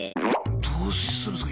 どうするんすか？